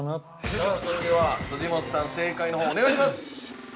◆さあ、それでは辻本さん正解のほう、お願いします。